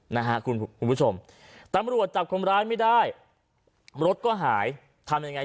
นะฮะคุณผู้ชมตำรวจจับคนร้ายไม่ได้รถก็หายทำยังไง